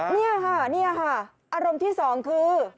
นี่ค่ะนี่ค่ะอารมณ์ที่สองคือ